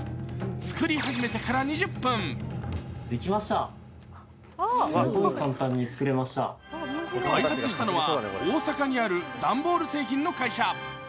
作り始めてから２０分開発したのは大阪にある段ボールの製造会社。